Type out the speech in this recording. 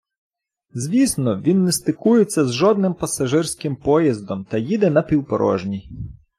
Звісно, він не стикується з жодним пасажирським поїздом та їде напівпорожній.